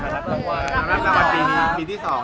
แล้วเราก็มารับปีที่สอง